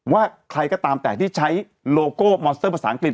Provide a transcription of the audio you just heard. ว่าใครก็ตามแต่ที่ใช้โลโก้มอนเซอร์ภาษาอังกฤษ